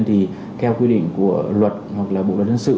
thì theo quy định của luật hoặc là bộ luật dân sự